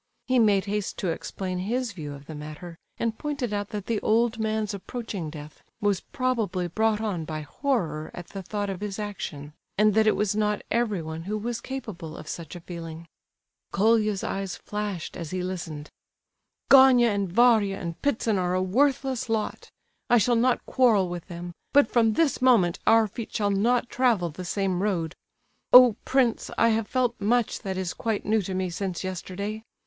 He made haste to explain his view of the matter, and pointed out that the old man's approaching death was probably brought on by horror at the thought of his action; and that it was not everyone who was capable of such a feeling. Colia's eyes flashed as he listened. "Gania and Varia and Ptitsin are a worthless lot! I shall not quarrel with them; but from this moment our feet shall not travel the same road. Oh, prince, I have felt much that is quite new to me since yesterday!